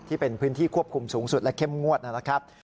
ที่เป็นพื้นที่ควบคุมสูงสุดและเข้มงวดนะครับ